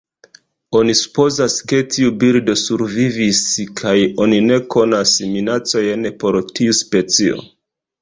Oni supozas ke tiu birdo survivis kaj oni ne konas minacojn por tiu specio.